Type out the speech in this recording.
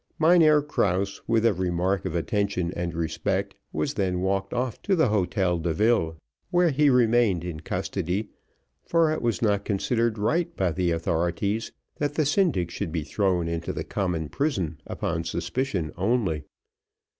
Mynheer Krause, with every mark of attention and respect, was then walked off to the Hotel de Ville, where he remained in custody, for it was not considered right by the authorities, that the syndic should be thrown into the common prison upon suspicion only.